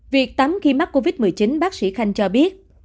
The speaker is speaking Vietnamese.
việc tắm khi mắc covid một mươi chín bác sĩ khanh cho biết